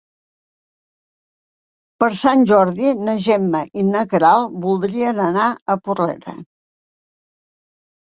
Per Sant Jordi na Gemma i na Queralt voldrien anar a Porrera.